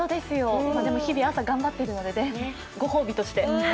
日々朝頑張ってるのでご褒美として。